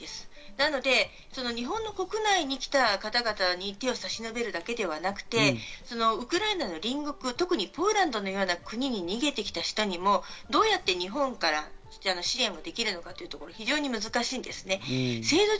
なので、日本国内に来た方々に手を差し伸べるだけではなくて、ウクライナの隣国、特にポーランドのような国に逃げてきた人にもどうやって日本から支援をできるのか、非常に難しいんですね。